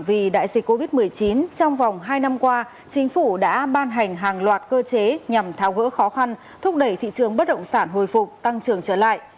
vì đại dịch covid một mươi chín trong vòng hai năm qua chính phủ đã ban hành hàng loạt cơ chế nhằm tháo gỡ khó khăn thúc đẩy thị trường bất động sản hồi phục tăng trưởng trở lại